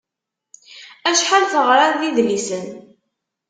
Acḥal teɣriḍ d idlisen?